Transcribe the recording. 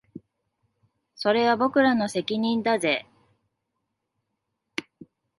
それは僕らの責任だぜ